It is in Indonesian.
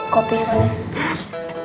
kopi pak dema